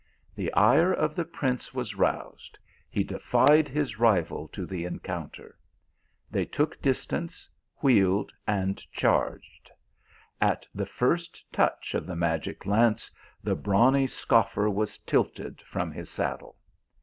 The ire of the prince was roused ; he defied his rival to the encounter. They took distance, wheeled, and charged ; at the first touch of the magic lance the brawny scoffer was tilted from his saddle.